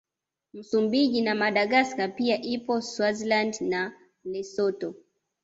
Msumbiji na Madagaska pia ipo Swaziland na Lesotho